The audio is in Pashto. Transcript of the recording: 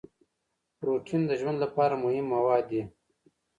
پروټین د ژوند لپاره مهم مواد دي